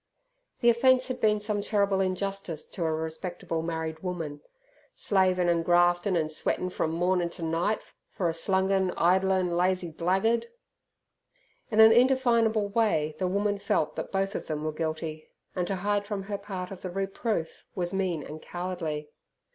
The offence had been some terrible injustice to a respectable married woman, "slavin' an' graftin' an' sweatin' from mornin' ter night, for a slungin' idlin' lazy blaggard." In an indefinable way the woman felt that both of them were guilty, and to hide from her part of the reproof was mean and cowardly.